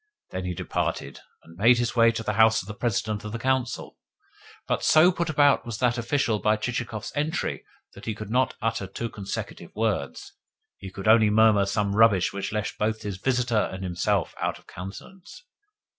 Then he departed, and made his way to the house of the President of the Council. But so put about was that official by Chichikov's entry that he could not utter two consecutive words he could only murmur some rubbish which left both his visitor and himself out of countenance.